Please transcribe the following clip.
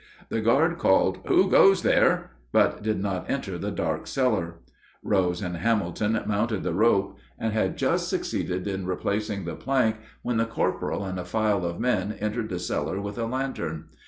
The guard called, "Who goes there?" but did not enter the dark cellar. Rose and Hamilton mounted the rope and had just succeeded in replacing the plank when the corporal and a file of men entered the cellar with a lantern.